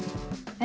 え？